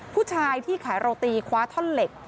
ผู้ชายที่ขายโรตีคว้าท่อนเหล็ก